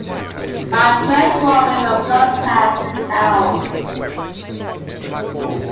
Bakreshwar River flows past the town.